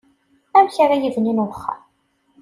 Amk ara yibnin uxxam.